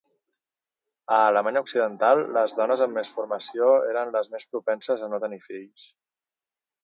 A Alemanya Occidental les dones amb més formació eren les més propenses a no tenir fills.